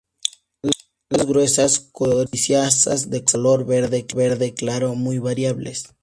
Las hojas gruesas, coriáceas, de color verde claro, muy variables.